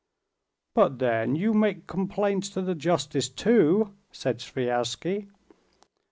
"But then you make complaints to the justice too," said Sviazhsky.